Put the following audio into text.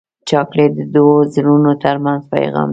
چاکلېټ د دوو زړونو ترمنځ پیغام دی.